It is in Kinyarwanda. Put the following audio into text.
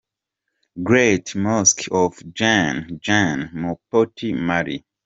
Great Mosque of Djenne, Djenne, Mopti, Mali.